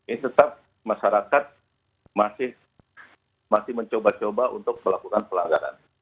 ini tetap masyarakat masih mencoba coba untuk melakukan pelanggaran